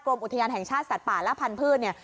อุทยานแห่งชาติสัตว์ป่าและพันธุ์เนี่ย